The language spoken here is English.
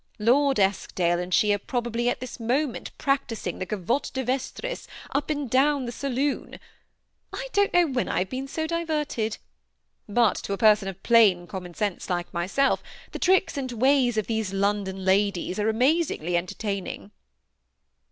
Lord Eskdale and she are probably at this moment practising the Gavotte de Yestris up and down the saloon. I don't know when I have been so diverted ; but to a person of plain common sense like myself, the tricks and ways of these London ladies are amazingly entertaining."